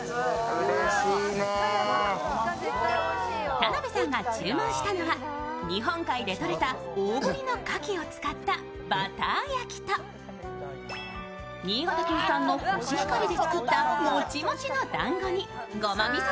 田辺さんが注文したのは日本海でとれた大ぶりの牡蠣を使ったバター焼きと新潟県産のコシヒカリで作ったモチモチの団子にごまみそ